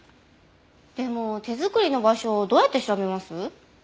でも手作りの場所どうやって調べます？